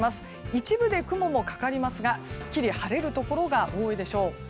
一部で雲もかかりますがすっきり晴れるところが多いでしょう。